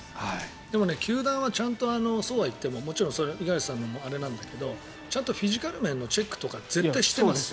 でも球団はそうはいっても五十嵐さんにはあれなんだけどちゃんとフィジカル面のチェックとか絶対してます。